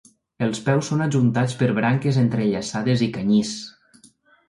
Els peus són ajuntats per branques entrellaçades i canyís.